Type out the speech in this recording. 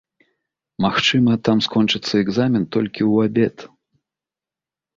Магчыма, там скончыцца экзамен толькі ў абед.